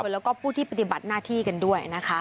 แล้วก็ผู้ที่ปฏิบัติหน้าที่กันด้วยนะคะ